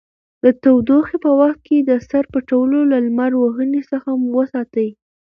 د تودوخې په وخت کې د سر پټول له لمر وهنې څخه مو ساتي.